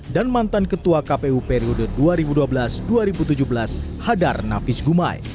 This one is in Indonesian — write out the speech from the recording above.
dan mantan ketua kpu periode dua ribu dua belas dua ribu tujuh belas hadar nafis gumai